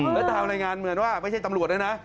แล้วตามรายงานเหมือนว่าไม่ใช่ตำรวจด้วยนะ